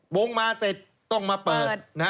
วงมาเสร็จต้องมาเปิด